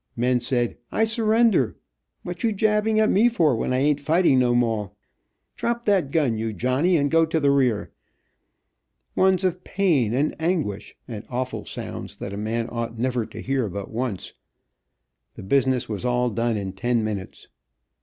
Men said "I surrender," "What you jabbing at me for when I ain't fighting no moah," "Drop that gun, you Johnnie, and go to the rear." Ones of pain and anguish, and awful sounds that a man ought never to hear but once. The business was all done in ten minutes.